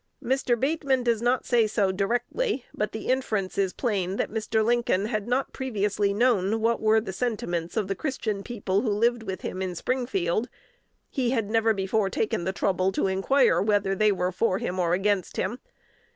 Mr. Bateman does not say so directly, but the inference is plain that Mr. Lincoln had not previously known what were the sentiments of the Christian people who lived with him in Springfield: he had never before taken the trouble to inquire whether they were for him or against him.